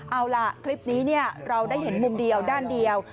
เอาล่ะคลิปนี้เราได้เห็นมุมเดียวด้านเดียว